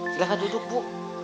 silahkan duduk bu